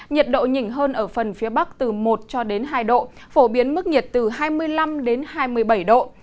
nhiệt độ nhỉnh hơn ở phần phía bắc từ một hai độ phổ biến mức nhiệt từ hai mươi năm hai mươi bảy độ